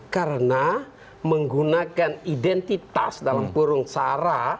karena menggunakan identitas dalam purung cara